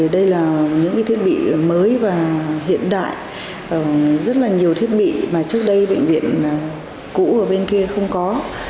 đây là những thiết bị mới và hiện đại rất là nhiều thiết bị mà trước đây bệnh viện cũ ở bên kia không có